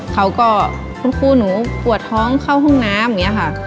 เขาก็คุณครูหนูปวดท้องเข้าห้องน้ำอย่างนี้ค่ะ